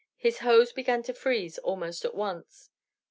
His hose began to freeze almost at once.